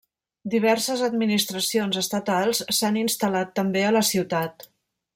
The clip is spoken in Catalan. Diverses administracions estatals s'han instal·lat també a la ciutat.